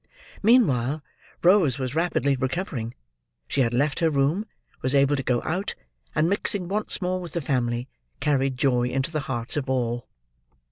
Meanwhile, Rose was rapidly recovering. She had left her room: was able to go out; and mixing once more with the family, carried joy into the hearts of all.